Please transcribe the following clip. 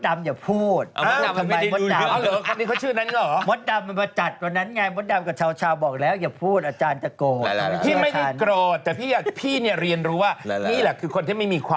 มันตายด้านค่ะคนที่มีค่ะ